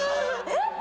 えっ！？